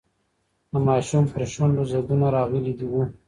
د ماشوم پر شونډو ځگونه راغلي وو.